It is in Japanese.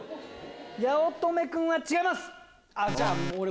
八乙女君違います。